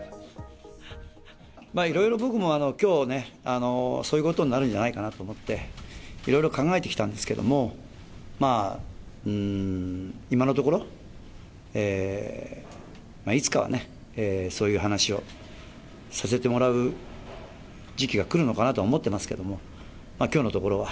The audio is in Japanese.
いろいろ僕も、きょうね、そういうことになるんじゃないかなと思って、いろいろ考えてきたんですけど、今のところ、いつかはね、そういう話をさせてもらう時期が来るのかなとは思ってますけど、きょうのところは。